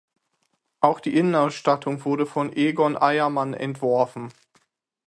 Auch die Innenausstattung wurde von Egon Eiermann entworfen.